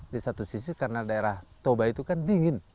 di satu sisi karena daerah toba itu kan dingin